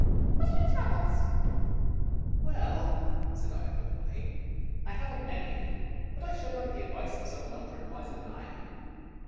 What are your troubles ?"" Well," said I thoughtfully, " I have n't many. But I should like the advice of some one older and wiser than I am."